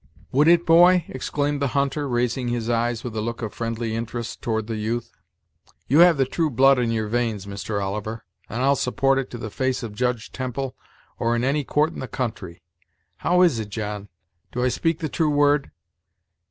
"Would it, boy?" exclaimed the hunter, raising his eyes, with a look of friendly interest, toward the youth. "You have the true blood in your veins, Mr. Oliver; and I'll support it to the face of Judge Temple or in any court in the country. How is it, John? Do I speak the true word?